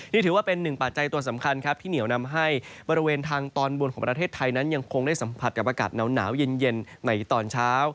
นี่ถือว่าเป็นหนึ่งปัจจัยตัวสำคัญครับที่เหนียวนำให้บริเวณทางตอนบนของประเทศไทยนั้นยังคงได้สัมผัสกับอากาศหนาวเย็นในตอนเช้า